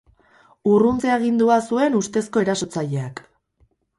Urruntze agindua zuen ustezko erasotzaileak.